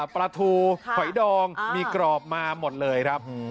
ปลาทูหอยดองมีกรอบมาหมดเลยครับ